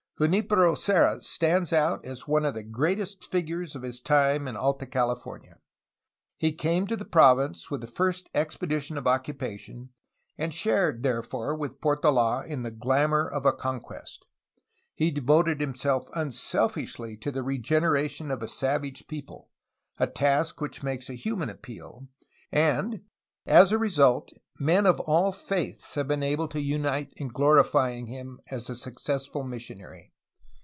Junfpero Serra stands out as one of the greatest figures of his time in Alta California. He came to the province with the first expedition of occupation, and shared therefore with Portola in the glamor of a conquest. He devoted himself unselfishly to the regeneration of a savage people, a task which makes a human appeal, and as a result men of all faiths have been able to unite in glorifying him as a success ful missionary.